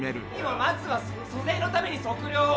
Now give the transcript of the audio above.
まずは租税のために測量を。